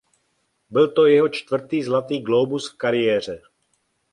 Byl to jeho čtvrtý Zlatý glóbus v kariéře.